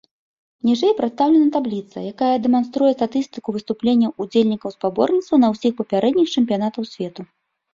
Ніжэй прадстаўлена табліца, якая дэманструе статыстыку выступленняў удзельнікаў спаборніцтва на ўсіх папярэдніх чэмпіянатах свету.